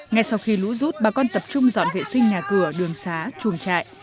ngay sau khi lũ rút bà con tập trung dọn vệ sinh nhà cửa đường xá chuồng trại